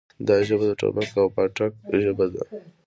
دا ژبه د ټوپک او پاټک ژبه ده.